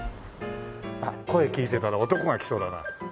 あっ声聞いてたら男が来そうだな。